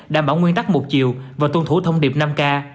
đảm bảo nguyên tắc một chiều và tuân thủ thông điệp năm k